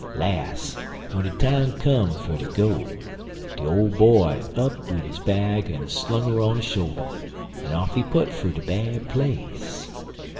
"Las', w'en de time come fer ter go, de Ole Boy up wid his bag en slung her on his shoulder, en off he put fer de Bad Place.